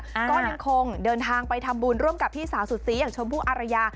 ก็ยังคงเดินทางไปทำบุญร่วมกับพี่สาวสุดสีอย่างชมพู่อารยา